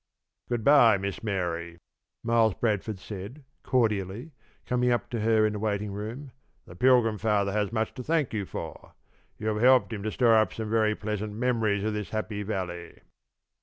"Good by, Miss Mary," Miles Bradford said, cordially, coming up to her in the waiting room. "The Pilgrim Father has much to thank you for. You have helped him to store up some very pleasant memories of this happy Valley."